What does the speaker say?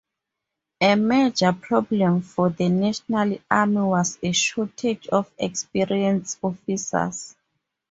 A major problem for the National Army was a shortage of experienced officers.